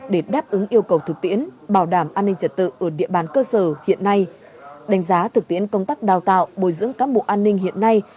để đáp ứng yêu cầu thực tiễn bảo đảm an ninh trật tự ở địa bàn cơ sở hiện nay đánh giá thực tiễn công tác đào tạo bồi dưỡng cán bộ an ninh hiện nay